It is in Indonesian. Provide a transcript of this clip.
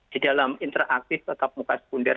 di dalam interaktif tetap muka sekunder